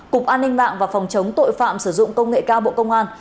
cục an ninh mạng và phòng chống tội phạm sử dụng công nghệ cao bộ công an